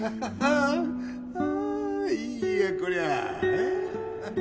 ああいいやこりゃえっ？